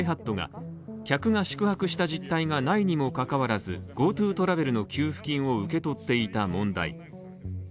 ＪＨＡＴが客が宿泊した実態がないにもかかわらず、ＧｏＴｏトラベルの給付金を受け取っていた問題。